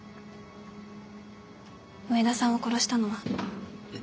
上田さんを殺したのは。